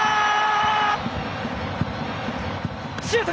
シュート！